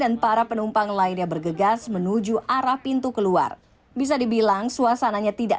dan para penumpang lainnya bergegas menuju arah pintu keluar bisa dibilang suasananya tidak